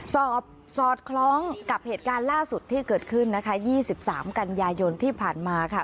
สอบสอดคล้องกับเหตุการณ์ล่าสุดที่เกิดขึ้นนะคะ๒๓กันยายนที่ผ่านมาค่ะ